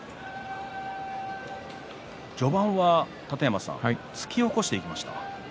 序盤は突き起こしていきました。